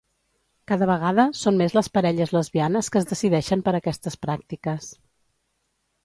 Cada vegada són més les parelles lesbianes que es decideixen per aquestes pràctiques.